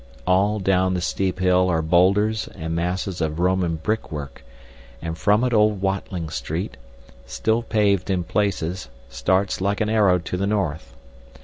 All down the steep hill are boulders and masses of Roman brickwork, and from it old Watling Street, still paved in places, starts like an arrow to the north.